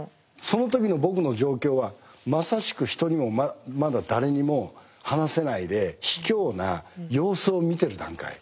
その時の僕の状況はまさしく人にもまだ誰にも話せないでひきょうな様子を見てる段階。